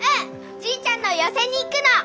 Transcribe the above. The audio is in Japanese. じいちゃんの寄席に行くの！